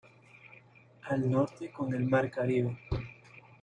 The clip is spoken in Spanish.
Al Norte con el Mar Caribe.